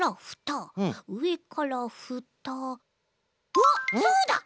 わっそうだ！